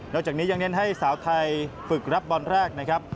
จากนี้ยังเน้นให้สาวไทยฝึกรับบอลแรกนะครับ